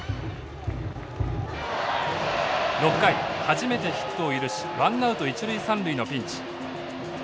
６回初めてヒットを許しワンナウト一塁三塁のピンチ。